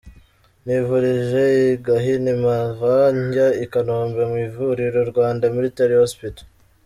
Nivurije i Gahini, mpava njya i Kanombe mu ivuriro Rwanda Military Hospital.